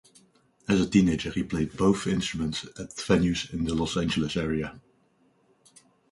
As a teenager he played both instruments at venues in the Los Angeles area.